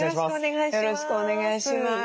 よろしくお願いします。